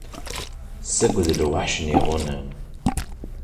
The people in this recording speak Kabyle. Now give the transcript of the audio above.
Ssagged lweḥc n yiɣunam.